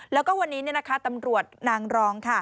แล้วก็วันนี้ตำรวจนางรอง